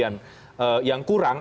kalau misalnya kita berubah kembali